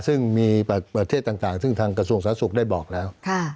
ซึ่งมีประเทศต่างซึ่งทางกระทรวงสาธารสุขได้บอกแล้ว